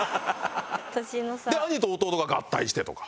で兄と弟が合体してとか。